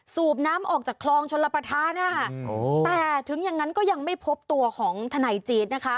สูบน้ำออกจากคลองชนระประธานนะคะแต่ถึงอย่างนั้นก็ยังไม่พบตัวของทนายจี๊ดนะคะ